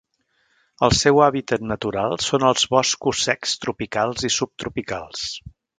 El seu hàbitat natural són els boscos secs tropicals i subtropicals.